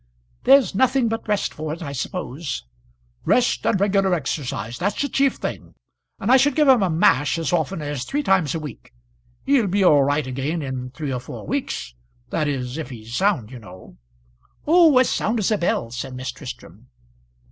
"There's nothing but rest for it, I suppose." "Rest and regular exercise that's the chief thing; and I should give him a mash as often as three times a week. He'll be all right again in three or four weeks, that is if he's sound, you know." "Oh, as sound as a bell," said Miss Tristram.